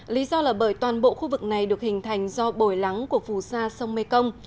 lý do là bởi toàn bộ khu vực này được hình thành do bồi lắng của phù sa sông mekong